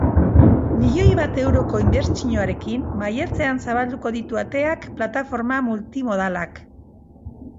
Milioi bat euroko inbertsioarekin, maiatzean zabalduko ditu ateak plataforma multimodalak.